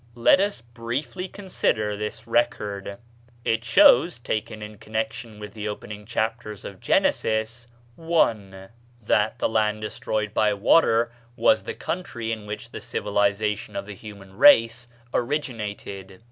Let us briefly consider this record. It shows, taken in connection with the opening chapters of Genesis: 1. That the land destroyed by water was the country in which the civilization of the human race originated.